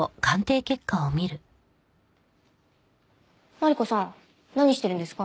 マリコさん何してるんですか？